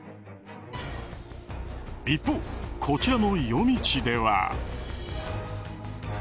一方、こちらの夜道では。